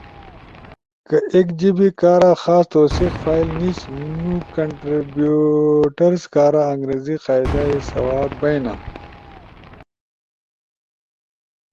کہ ایک جیبے کارا خاص توثیق فائل نیِش، نو کنٹربیوشنرز کارا انگریزی قاعدا ئے سواں بئینا۔